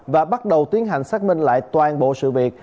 và bắt đầu tiến hành xác minh lại toàn bộ sự việc